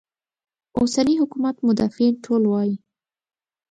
اوسني حکومت مدافعین ټول وایي.